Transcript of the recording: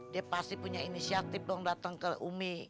dia pasti punya inisiatif dong datang ke umi